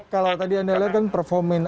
kalau tadi anda lihat kan performa